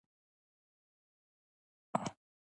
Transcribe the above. هغوی به يې راز مثبت فکر ياد کړي.